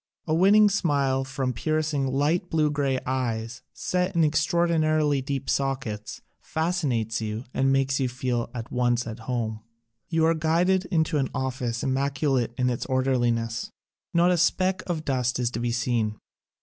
A winning smile from piercing light blue gray eyes, set in extraor dinarily deep sockets, fascinates you and makes you feel at once at home. You are guided into an office immaculate in its orderliness. Not a speck of dust is to be seen.